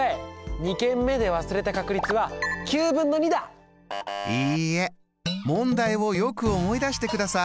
２軒目で忘れた確率はいいえ問題をよく思い出してください。